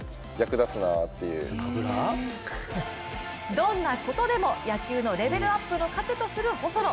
どんなことでも野球のレベルアップの糧とする細野。